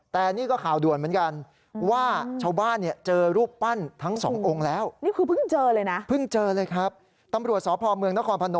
แต่นี่ก็ข่าวด่วนเหมือนกัน